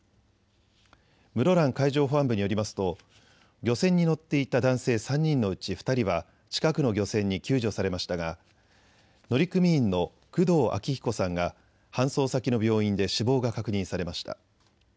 室蘭海上保安部によりますと漁船に乗っていた男性３人のうち２人は近くの漁船に救助されましたが乗組員の工藤昭彦さんが搬送先の病院で死亡が確認されました。